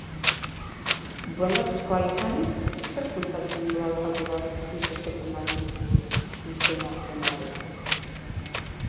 Borondatezkoa izanik, zerk bultzatzen du abokatu bat ofiziozko txandan izena ematera?